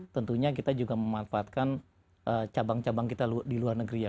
tentunya kita juga memanfaatkan cabang cabang kita di luar negeri ya